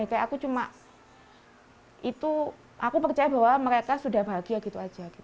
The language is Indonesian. aku percaya bahwa mereka sudah bahagia gitu aja